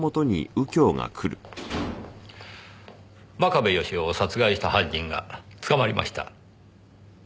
真壁義雄を殺害した犯人が捕まりました。